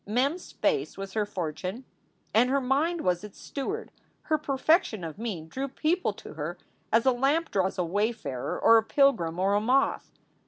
Mem s face was her fortune and her mind was its steward. Her perfection of mien drew people to her as a lamp draws a wayfarer or a pilgrim or a moth.